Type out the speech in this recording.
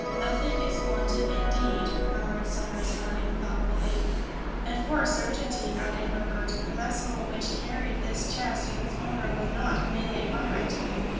"Nothing is wanting, indeed," murmured Cyrus Harding thoughtfully. "And for a certainty," added Herbert, "the vessel which carried this chest and its owner was not a Malay pirate!"